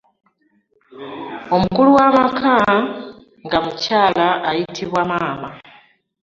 Omukulu w'amaka nga mukyala ayitibwa maama.